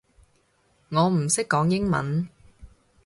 我唔識講英文